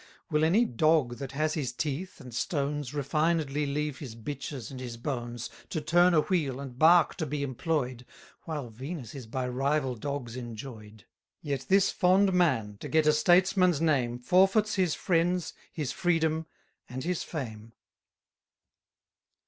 Will any dog that has his teeth and stones, Refinedly leave his bitches and his bones, To turn a wheel, and bark to be employ'd, While Venus is by rival dogs enjoy'd? Yet this fond man, to get a statesman's name, Forfeits his friends, his freedom, and his fame.